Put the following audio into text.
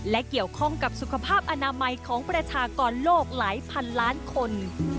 และเกี่ยวข้องกับสุขภาพอนามัยของประชากรโลกหลายพันล้านคน